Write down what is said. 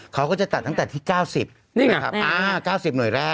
เขาก็จะจัดตั้งแต่ที่๙๐นี่ไงครับ๙๐หน่วยแรก